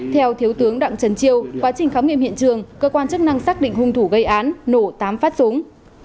theo thiếu tướng đặng trần triều quá trình khám nghiệm hiện trường cơ quan chức năng xác định hung thủ gây án nổ tám phát súng